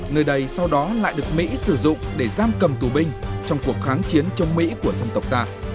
nơi đây sau đó lại được mỹ sử dụng để giam cầm tù binh trong cuộc kháng chiến chống mỹ của dân tộc ta